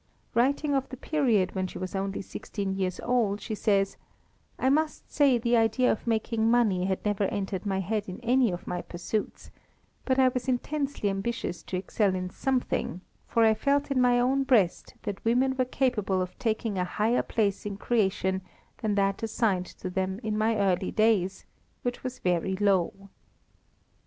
Writing of the period when she was only sixteen years old, she says: "I must say the idea of making money had never entered my head in any of my pursuits, but I was intensely ambitious to excel in something, for I felt in my own breast that women were capable of taking a higher place in creation than that assigned to them in my early days, which was very low."